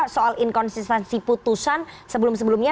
soal inkonsistensi putusan sebelum sebelumnya